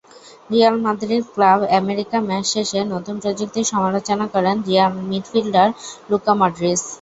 Real Madrid Club America match শেষে নতুন প্রযুক্তির সমালোচনা করেন রিয়াল মিডফিল্ডার লুকা মডরিচ।